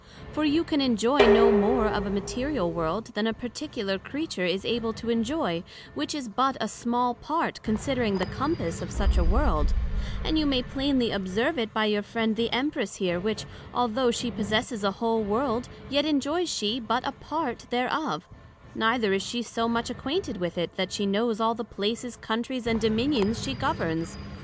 For you can enjoy no more of a material world then a particular Creature is able to enjoy, which is but a small part, considering the compass of such a world; and you may plainly observe it by your friend the Empress here, which although she possesses a whole World, yet enjoys she but a part thereof; neither is she so much acquainted with it, that she know all the places, Countries, and Dominions she Governs.